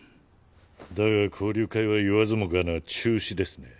だが交流会は言わずもがな中止ですね。